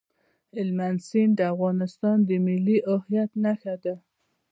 هلمند سیند د افغانستان د ملي هویت نښه ده.